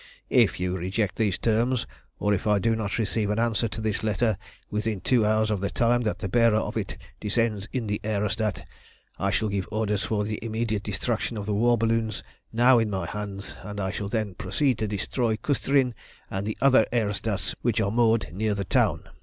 If you reject these terms, or if I do not receive an answer to this letter within two hours of the time that the bearer of it descends in the aerostat, I shall give orders for the immediate destruction of the war balloons now in my hands, and I shall then proceed to destroy Cüstrin and the other aerostats which are moored near the town.